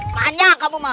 panyak kamu mah